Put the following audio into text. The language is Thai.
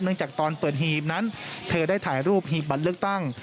จากตอนเปิดหีบนั้นเธอได้ถ่ายรูปหีบบัตรเลือกตั้ง